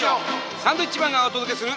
サンドウィッチマンがお届けする。